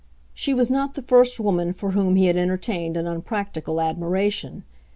She was not the first woman for whom he had entertained an unpractical admiration.